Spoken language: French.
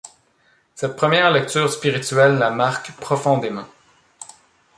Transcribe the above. Cette première lecture spirituelle la marque profondément.